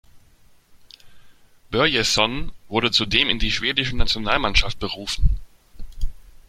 Börjesson wurde zudem in die schwedische Nationalmannschaft berufen.